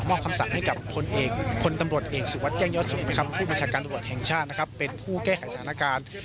คำสั่งให้กับคนตำรวจเอกสุวัสดิแจ้งยอดสุขนะครับผู้บัญชาการตำรวจแห่งชาตินะครับเป็นผู้แก้ไขสถานการณ์